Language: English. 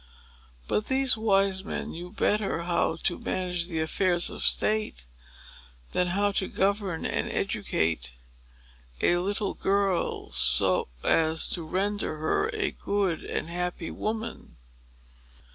But these wise men knew better how to manage the affairs of state, than how to govern and educate a little girl so as to render her a good and happy woman.